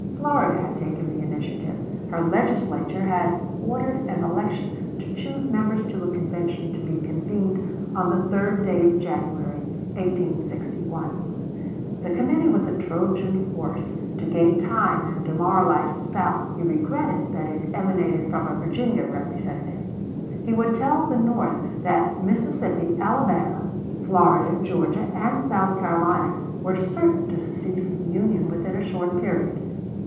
Florida had taken the initiative; her Legislature had ordered an election to choose members to a convention to be convened on the 3d day of January, 1861. The committee was a Trojan horse to gain time and demoralize the South; he regretted that it emanated from a Virginia Representative. He would tell the North that Mississippi, Alabama, Florida, Georgia, and South Carolina were certain to secede from the Union within a short period.